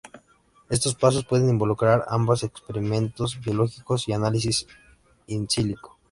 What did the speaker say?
Estos pasos puede involucrar ambas, experimentos biológicos y análisis "in silico".